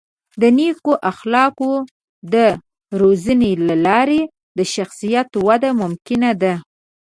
د نیکو اخلاقو د روزنې له لارې د شخصیت وده ممکنه ده.